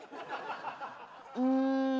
うん。